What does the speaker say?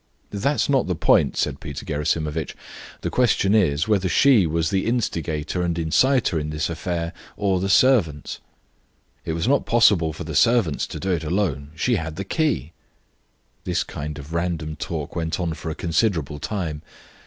"That's not the point," said Peter Gerasimovitch. "The question is, whether she was the instigator and inciter in this affair, or the servants?" "It was not possible for the servants to do it alone; she had the key." This kind of random talk went on for a considerable time.